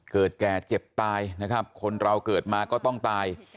แก่เจ็บตายนะครับคนเราเกิดมาก็ต้องตาย